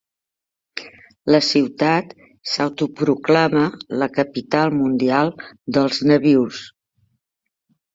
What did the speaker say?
La ciutat s'autoproclama la "Capital mundial dels nabius."